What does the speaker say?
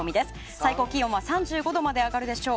最高気温は３５度まで上がるでしょう。